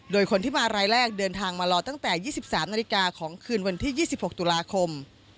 โดยคนที่มารายแรกเดินทางมารอตั้งแต่๒๓นาฬิกาของคืนวันที่๒๖ตุลาคม